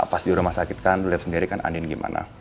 pas di rumah sakit kan lo liat sendiri kan andien gimana